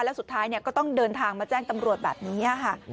แล้วสุดท้ายก็ต้องเดินทางมาแจ้งตำรวจแบบนี้ค่ะ